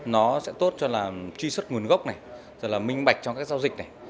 nó sẽ tốt cho là truy xuất nguồn gốc này rồi là minh bạch cho các giao dịch này